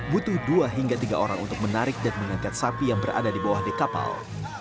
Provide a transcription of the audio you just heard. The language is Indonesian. butuh dua hingga tiga orang untuk menarik dan mengangkat sapi yang berada di bawah dek kapal